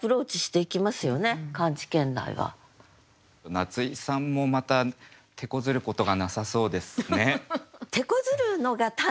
夏井さんもまたてこずることがなさそうですね。